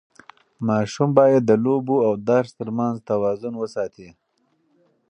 ماشوم باید د لوبو او درس ترمنځ توازن وساتي.